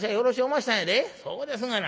そうですがな。